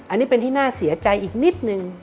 อันนี้เป็นที่น่าเสียใจอีกนิดนึง